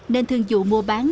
nên thường dụ mua bán